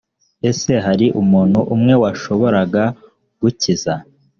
ese hari umuntu umwe washoboraga gukiza